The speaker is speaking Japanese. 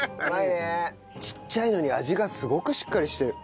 ちっちゃいのに味がすごくしっかりしてる。